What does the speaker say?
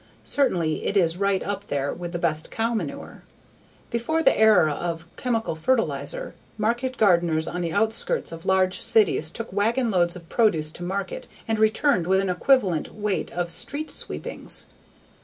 Certainly it is right up there with the best cow manure. Before the era of chemical fertilizer, market gardeners on the outskirts of large cities took wagon loads of produce to market and returned with an equivalent weight of "street sweepings."